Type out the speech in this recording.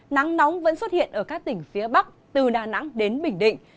nắng nóng vẫn xuất hiện ở các tỉnh phía bắc từ đà nẵng đến bình định